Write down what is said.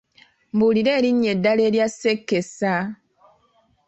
Mbuulira erinnya eddala erya ssekesa?